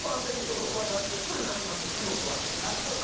ここは納豆すぐ書きましたしね